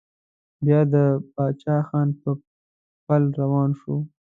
بيا د پاچا خان پر پل روان شو.